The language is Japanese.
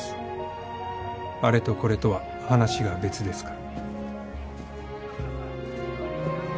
あれとこれとは話が別ですから。